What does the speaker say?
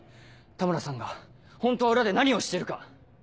田村さんがホントは裏で何をしてるか。